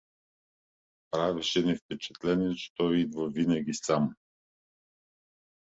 Правеше ни впечатление, че той идеше винаги сам.